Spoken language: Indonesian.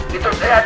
gitu ya terus terus